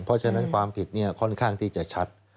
เพราะฉะนั้นความผิดค่อนข้างที่จะชัด